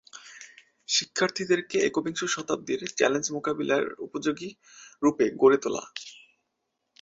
শিক্ষার্থীদেরকে একবিংশ শতাব্দীর চ্যালেঞ্জ মোকাবিলার উপযোগী রূপে গড়ে তোলা।